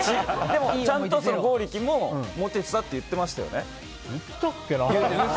でも、ちゃんと剛力もモテてたって言ってましたよね？